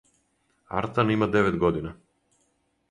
Артан има девет година.